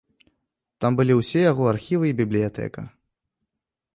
Там былі ўсе яго архівы і бібліятэка.